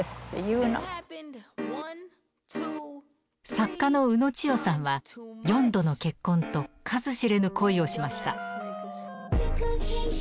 作家の宇野千代さんは４度の結婚と数知れぬ恋をしました。